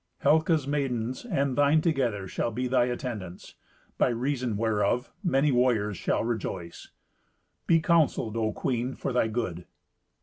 Helca's maidens, and thine together, shall be thy attendants, by reason whereof many warriors shall rejoice. Be counselled, O queen, for thy good."